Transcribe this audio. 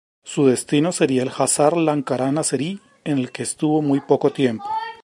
Su destino sería el Khazar Lankaran azerí en el que estuvo muy poco tiempo.